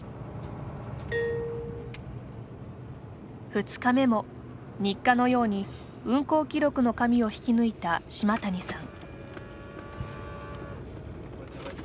２日目も日課のように運行記録の紙を引き抜いた島谷さん。